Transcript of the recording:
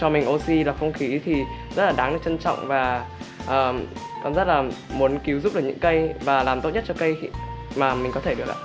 mình oxy và không khí thì rất là đáng được trân trọng và con rất là muốn cứu giúp được những cây và làm tốt nhất cho cây mà mình có thể được ạ